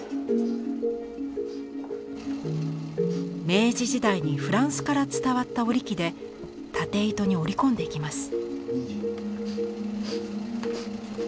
明治時代にフランスから伝わった織り機で縦糸に織り込んでいきます。